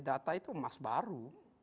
data itu emas baru